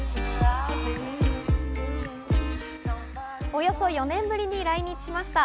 およそ４年ぶりに来日しました。